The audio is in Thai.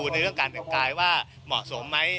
ในเรื่องการแต่งกายว่าเหมาะสมไหม